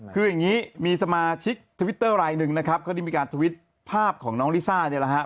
คืออย่างนี้มีสมาชิกทวิตเตอร์รายหนึ่งนะครับเขาได้มีการทวิตภาพของน้องลิซ่าเนี่ยแหละฮะ